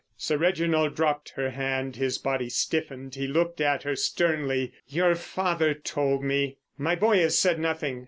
Sir Reginald dropped her hand. His body stiffened. He looked at her sternly. "Your father told me. My boy has said nothing.